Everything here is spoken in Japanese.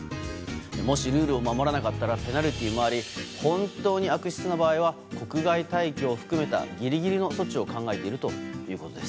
もしルールを守らなかったらペナルティーもあり本当に悪質な場合は国外退去を含めたギリギリの措置を考えているということです。